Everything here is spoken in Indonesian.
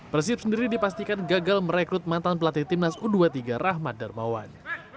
persib sendiri dipastikan gagal merekrut mantan pelatih timnas u dua puluh tiga rahmat darmawan